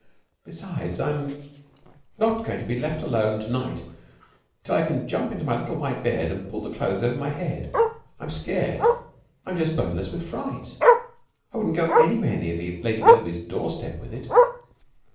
'Besides, I'm not going to be left alone to night until I can jump into my little white bed and pull the clothes over my head. I'm scared, I'm just boneless with fright. And I wouldn't go anywhere near Lady Wetherby's doorstep with it.'